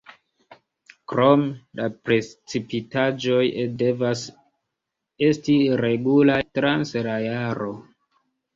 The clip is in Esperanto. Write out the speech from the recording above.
Krome la precipitaĵoj devas esti regulaj trans la jaro.